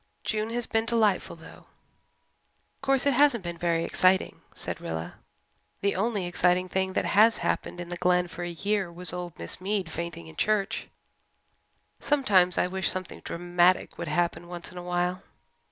June has been delightful, though." "Of course, it hasn't been very exciting," said Rilla. "The only exciting thing that has happened in the Glen for a year was old Miss Mead fainting in Church. Sometimes I wish something dramatic would happen once in a while."